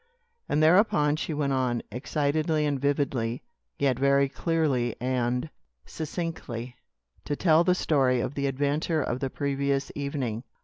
And thereupon she went on, excitedly and vividly, yet very clearly and succinctly, to tell the story of the adventure of the previous evening.